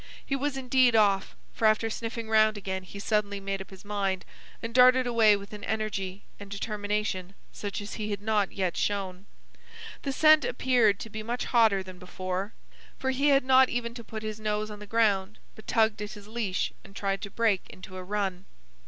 He was indeed off, for after sniffing round again he suddenly made up his mind, and darted away with an energy and determination such as he had not yet shown. The scent appeared to be much hotter than before, for he had not even to put his nose on the ground, but tugged at his leash and tried to break into a run.